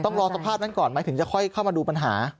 ต้องรอสภาพนั้นก่อนไหมถึงจะค่อยเข้ามาดูปัญหา